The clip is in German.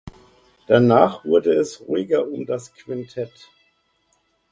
Danach wurde es ruhiger um das Quintett.